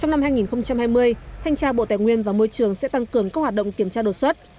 trong năm hai nghìn hai mươi thanh tra bộ tài nguyên và môi trường sẽ tăng cường các hoạt động kiểm tra đột xuất